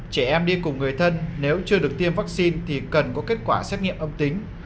trẻ em đi cùng người thân nếu chưa được tiêm vaccine thì cần có kết quả xét nghiệm âm tính